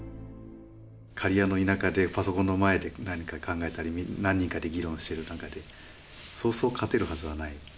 刈谷の田舎でパソコンの前で何か考えたり何人かで議論してる中でそうそう勝てるはずはない。